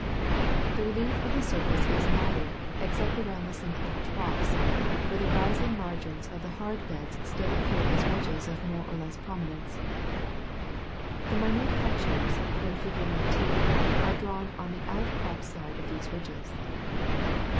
The relief of the surface is moderate, except around the synclinal troughs, where the rising margins of the hard beds still appear as ridges of more or less prominence. The minute hachures in figure 19 are drawn on the outcrop side of these ridges.